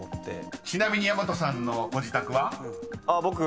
［ちなみにやまとさんのご自宅は？］